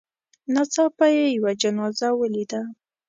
ناڅاپه یې یوه جنازه ولیده.